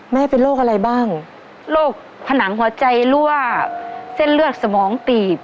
แม่เป็นโรคอะไรบ้างโรคผนังหัวใจรั่วเส้นเลือดสมองตีบ